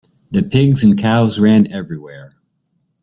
The pigs and cows ran everywhere.